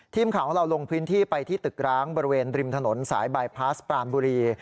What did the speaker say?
ทีมข่าวของเราลงพื้นที่ไปที่ตึกร้างบริเวณริมถนนสายบายพาสปรานบุรี